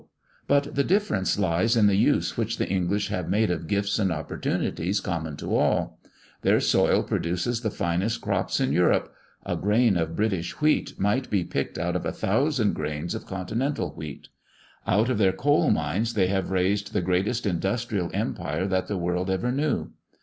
but the difference lies in the use which the English have made of gifts and opportunities common to all. Their soil produces the finest crops in Europe; a grain of British wheat might be picked out of a thousand grains of continental wheat. Out of their coal mines they have raised the greatest industrial empire that the world ever knew.